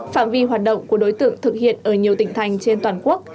phạm vi hoạt động của đối tượng thực hiện ở nhiều tỉnh thành trên toàn quốc